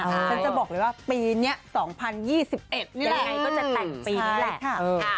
ฉันจะบอกเลยว่าปีนี้๒๐๒๑ยังไงก็จะแต่งปีนี้แหละ